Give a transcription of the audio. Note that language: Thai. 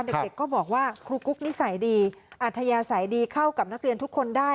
เด็กก็บอกว่าครูกุ๊กนิสัยดีอัธยาศัยดีเข้ากับนักเรียนทุกคนได้